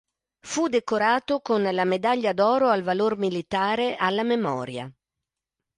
Fu decorato con la Medaglia d'oro al valor militare alla memoria.